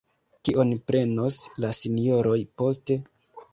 Kion prenos la Sinjoroj poste?